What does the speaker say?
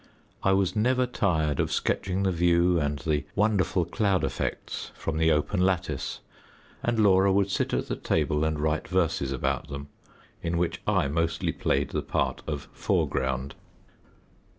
I was never tired of sketching the view and the wonderful cloud effects from the open lattice, and Laura would sit at the table and write verses about them, in which I mostly played the part of foreground.